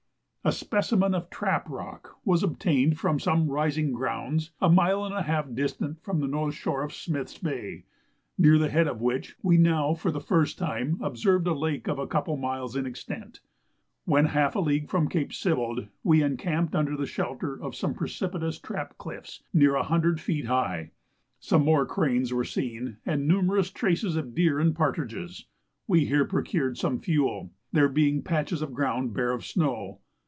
A specimen of trap rock was obtained from some rising grounds a mile and a half distant from the north shore of Smith's Bay, near the head of which we now for the first time observed a lake of a couple miles in extent. When half a league from Cape Sibbald, we encamped under shelter of some precipitous trap cliffs nearly a hundred feet high. Some more cranes were seen, and numerous traces of deer and partridges. We here procured some fuel, there being patches of ground bare of snow.